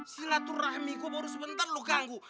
silaturahmi kok baru sebentar lu ganggu